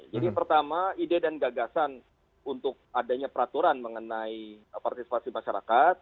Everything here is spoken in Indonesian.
jadi pertama ide dan gagasan untuk adanya peraturan mengenai partisipasi masyarakat